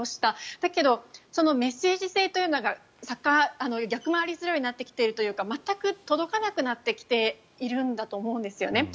だけどそのメッセージ性というのが逆回りするようになってきているというか全く届かなくなってきているんだと思うんですよね。